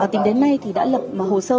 tính đến nay thì đã lập hồ sơ